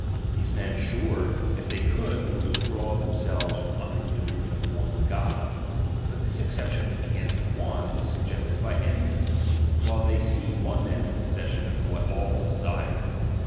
These men, sure, if they could, would withdraw themselves from under the dominion of one God. But this excep tion against one is suggested by envy, while they see one man in possession of what all desire.